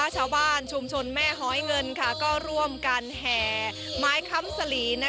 ชาวบ้านชุมชนแม่หอยเงินก็ร่วมกันแห่ไม้ค้ำสลี